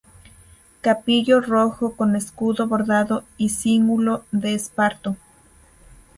Capillo rojo con escudo bordado y cíngulo de esparto.